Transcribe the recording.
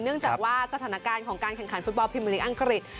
เนื่องจากว่าสถานการณ์ของการแข่งขันฟุตบอลพิมพลิกอังกฤษ